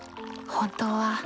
本当は。